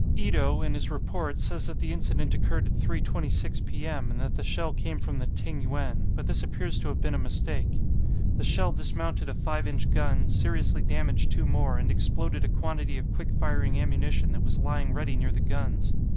Ito, in his report, says that the incident occurred at 3.26 p.m., and that the shell came from the "Ting yuen," but this appears to have been a mistake. The shell dismounted a 5 inch gun, seriously damaged two more, and exploded a quantity of quick firing ammunition that was lying ready near the guns.